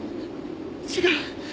違う！